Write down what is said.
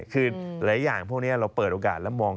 คือหลายอย่างพวกนี้เราเปิดโอกาสแล้วมอง